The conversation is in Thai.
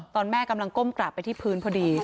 แม่กำลังก้มกราบไปที่พื้นพอดี